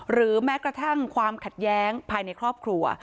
หรือแม้กระทั่งความขัดแย้งภายในครอบครัว